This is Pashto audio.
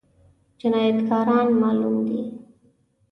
جنايتکاران معلوم دي؟